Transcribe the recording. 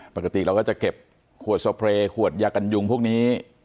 ปกติเราก็จะเก็บขวดสเพลย์ขวดยากันยุงพวกนี้